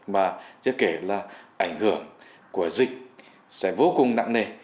và chứ kể là ảnh hưởng của dịch sẽ vô cùng nặng nề